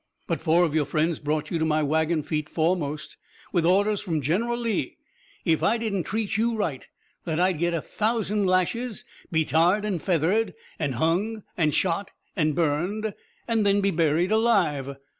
But four of your friends brought you to my wagon feet foremost, with orders from General Lee if I didn't treat you right that I'd get a thousand lashes, be tarred an' feathered, an' hung an' shot an' burned, an' then be buried alive.